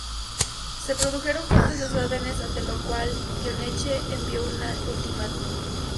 Se produjeron fuertes desórdenes ante lo cual Goyeneche envió un ultimátum.